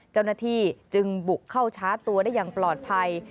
เจ้าหน้าที่จึงบุกเข้าชาร์จตัวได้อย่างปลอดภัย